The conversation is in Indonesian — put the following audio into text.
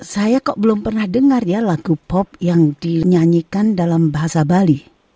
saya kok belum pernah dengar ya lagu pop yang dinyanyikan dalam bahasa bali